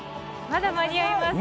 まだ間に合います。